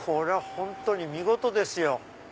本当に見事ですよ。